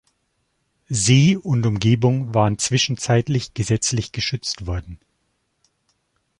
See und Umgebung waren zwischenzeitlich gesetzlich geschützt worden.